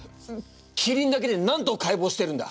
キリンだけで何頭解剖してるんだ？